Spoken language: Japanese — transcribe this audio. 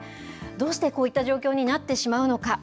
どうしてこういった状況になってしまうのか。